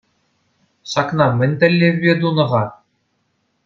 Ҫакна мӗн тӗллевпе тунӑ-ха?